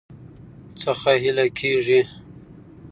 څخه هيله کيږي